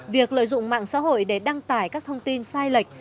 việc lợi dụng mạng xã hội để đăng tải các thông tin sai lệch